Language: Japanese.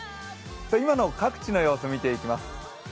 今の各地の様子、見ていきます。